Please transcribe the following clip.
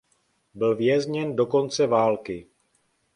Byl vězněn do konce války.